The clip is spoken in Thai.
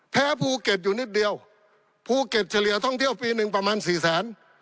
แพ้ภูเก็ตอยู่นิดเดียวภูเก็ตเฉลี่ยท่องเที่ยวปีหนึ่งประมาณสี่แสน